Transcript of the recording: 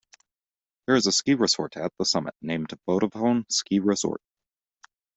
There is a ski resort at the summit, named Vodafone Ski Resort.